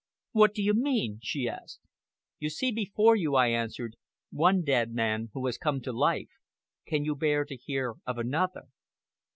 "What do you mean?" she asked. "You see before you," I answered, "one dead man who has come to life. Can you bear to hear of another?"